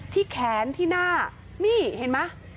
ที่แขนที่หน้านี่เห็นไหม